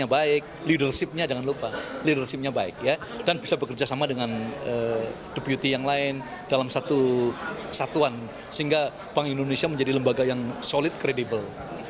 yang bisa bekerja sama dengan deputi yang lain dalam satu kesatuan sehingga bank indonesia menjadi lembaga yang solid kredibel